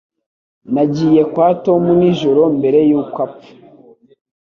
Nagiye kwa Tom nijoro mbere yuko apfa